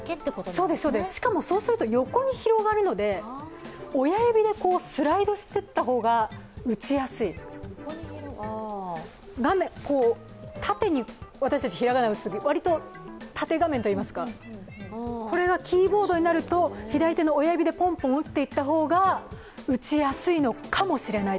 そうすると横に広がるので親指でスライドしていった方が打ちやすい、画面を縦に、私たち、ひらがなを打つときに割と縦画面といいますかこれがキーボードになると左手の親指でポンポン打っていった方が打ちやすいのかもしれない。